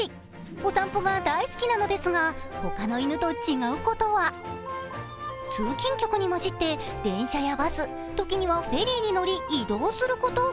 お散歩が大好きなのですが他の犬と違うことは、通勤客に混じって電車やバス、時にはフェリーに乗り移動すること。